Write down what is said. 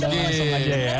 kita jempol soalnya ya